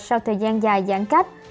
sau thời gian dài giãn cách